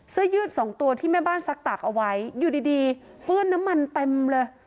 เสื้อยืดสองตัวที่แม่บ้านซักตากเอาไว้อยู่ดีดีเปื้อนน้ำมันเต็มเลย